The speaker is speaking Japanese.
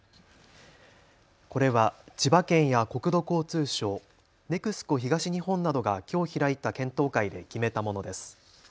これは千葉県や国土交通省、ＮＥＸＣＯ東日本などがきょう開いた検討会で決めたものです。